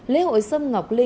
lễ hội sâm ngọc linh